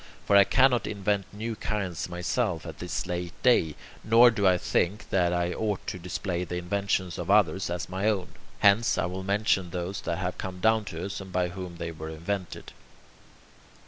For I cannot invent new kinds myself at this late day, nor do I think that I ought to display the inventions of others as my own. Hence, I will mention those that have come down to us, and by whom they were invented.